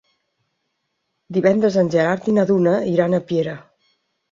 Divendres en Gerard i na Duna iran a Piera.